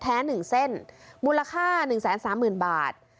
๑เส้นมูลค่า๑๓๐๐๐บาท